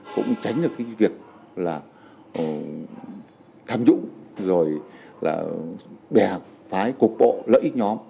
cũng tránh được việc tham nhũng bè phái cục bộ lợi ích nhóm